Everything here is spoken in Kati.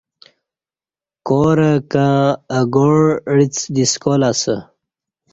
کورہ کں اہ گاع عِڅ دی سکال اسہ